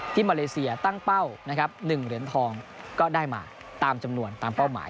มาเลเซียตั้งเป้านะครับ๑เหรียญทองก็ได้มาตามจำนวนตามเป้าหมาย